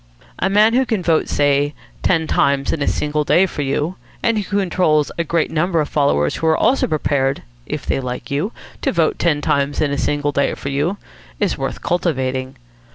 A man who can vote, say, ten times in a single day for you, and who controls a great number of followers who are also prepared, if they like you, to vote ten times in a single day for you, is worth cultivating.